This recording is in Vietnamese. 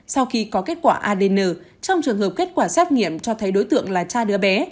sau khi có kết quả adn trong trường hợp kết quả xét nghiệm cho thấy đối tượng là cha đứa bé